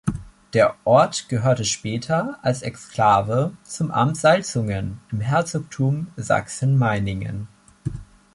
Der Ort gehörte später als Exklave zum Amt Salzungen im Herzogtum Sachsen-Meiningen.